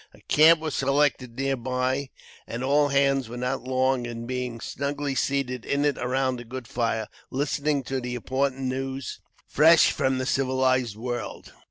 A camp was selected near by, and all hands were not long in being snugly seated in it around a good fire, listening to the important news fresh from the civilized world.